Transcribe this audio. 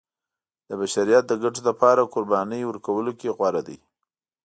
د بشریت د ګټو لپاره قربانۍ ورکولو کې غوره دی.